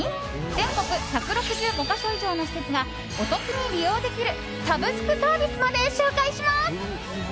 全国１６５か所以上の施設がお得に利用できるサブスクサービスまで紹介します。